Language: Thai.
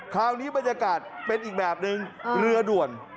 คราวนี้บรรยากาศเป็นอีกแบบนึงเรือด่วน